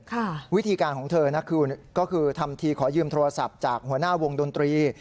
วิธีการของเธอนะคือก็คือทำทีขอยืมโทรศัพท์จากหัวหน้าวงดนตรี